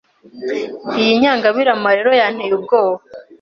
Iyi nyangabirama rero yanteye ubwoba